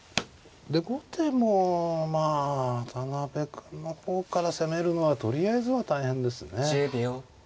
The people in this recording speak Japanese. で後手もまあ渡辺君の方から攻めるのはとりあえずは大変ですね。